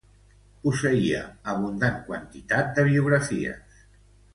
Posseïa abundant quantitat de biografies.